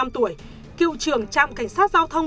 một mươi năm tuổi cựu trưởng trạm cảnh sát giao thông